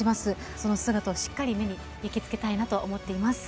その姿を、しっかり目に焼き付けたいなと思っています。